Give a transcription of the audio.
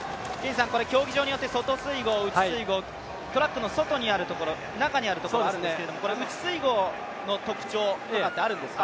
競技場によって内水濠、外水濠、トラックの中にあるところ、外にあるところあるんですけど内水濠の特徴ってあるんですか？